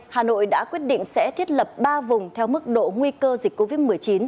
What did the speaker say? hà nội đã quyết định sẽ thiết lập ba vùng theo mức độ nguy cơ dịch covid một mươi chín